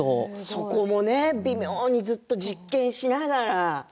そこも微妙にずっと実験しながら。